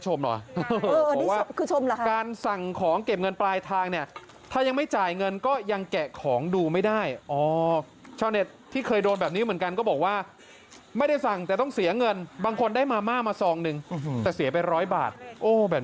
เจ้าของคลิปก็บอกตอนแรกคิดว่าอ๋อลูกสาวสั่งหรือเปล่า